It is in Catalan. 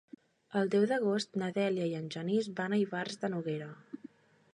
El deu d'agost na Dèlia i en Genís van a Ivars de Noguera.